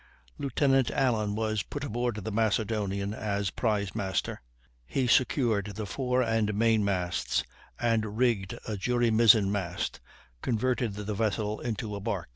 Lieutenant Allen was put aboard the Macedonian as prize master; he secured the fore and main masts and rigged a jury mizzen mast, converting the vessel into a bark.